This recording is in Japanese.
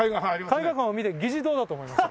絵画館を見て議事堂だと思いました。